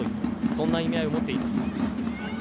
そんな意味合いを持っています。